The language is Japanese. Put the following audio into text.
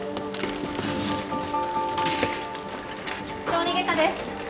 小児外科です！